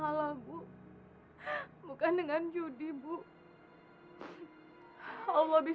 udah kamu tunggu aja di sini